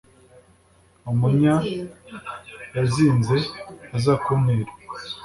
Umunya yazinze aza kuntera.